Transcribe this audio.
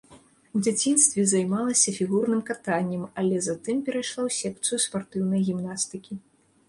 У дзяцінстве займалася фігурным катаннем, але затым перайшла ў секцыю спартыўнай гімнастыкі.